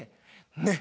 ねっ！